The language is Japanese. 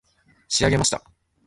仕上げました